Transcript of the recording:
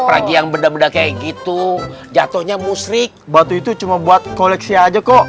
pagi yang benda benda kayak gitu jatuhnya musrik batu itu cuma buat koleksi aja kok